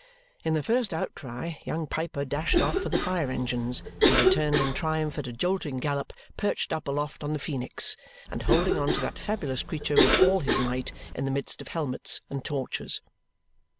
In the first outcry, young Piper dashed off for the fire engines and returned in triumph at a jolting gallop perched up aloft on the Phoenix and holding on to that fabulous creature with all his might in the midst of helmets and torches.